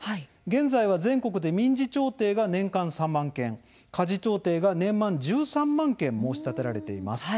現在は、全国で民事調停が年間３万件家事調停が年間１３万件申し立てられています。